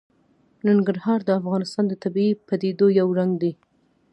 ننګرهار د افغانستان د طبیعي پدیدو یو رنګ دی.